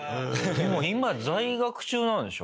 でも今在学中なんでしょ？